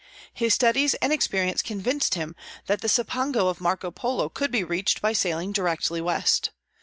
His studies and experience convinced him that the Cipango of Marco Polo could be reached by sailing directly west.